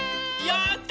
やった！